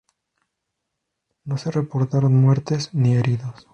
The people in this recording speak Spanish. No se reportaron muertes ni heridos.